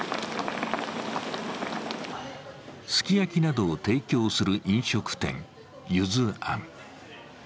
すき焼きなどを提供する飲食店ゆず庵。